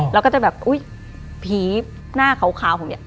เราก็จะแบบอุ๊ยผีหน้าเขาผมเนี่ย